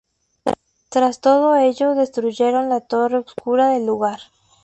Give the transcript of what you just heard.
Tras todo ello, destruyeron la torre oscura del lugar.